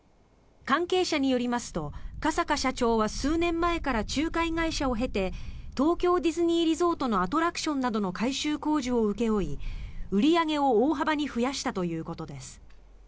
関係者によりますと加坂社長は数年前から仲介会社を経て東京ディズニーリゾートのアトラクションの改修工事などを請け負い売り上げを大幅に増やしたということです。